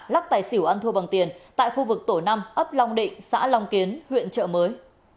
lắc tài xỉu ăn thua bằng tiền tại khu vực tổ năm ấp long định xã long kiến huyện trợ mới